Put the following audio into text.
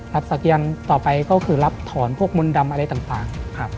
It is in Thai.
สักเกียรต่อไปก็คือรับถอนพวกมนต์ดำอะไรต่าง